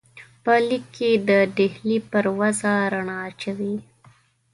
په لیک کې د ډهلي پر وضع رڼا اچوي.